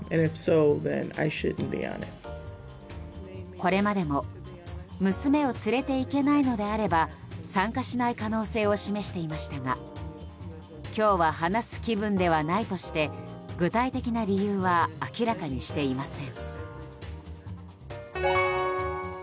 これまでも娘を連れていけないのであれば参加しない可能性を示していましたが今日は話す気分ではないとして具体的な理由は明らかにしていません。